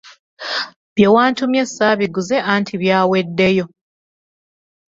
Bye wantumye ssaabiguze anti byaweddeyo.